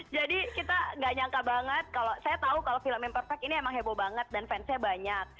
jadi kita gak nyangka banget kalau saya tahu kalau film imperfect ini emang heboh banget dan fansnya banyak